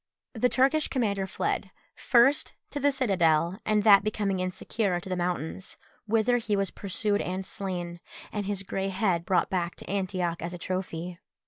The Turkish commander fled, first to the citadel, and that becoming insecure, to the mountains, whither he was pursued and slain, and his grey head brought back to Antioch as a trophy.